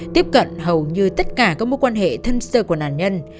tiếp cận hầu như tất cả các mối quan hệ thân sơ của nạn nhân